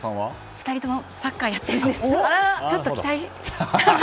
２人ともサッカーをやっているのでちょっと期待。